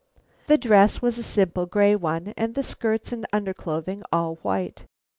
The dress was a simple gray one, and the skirts and underclothing all white.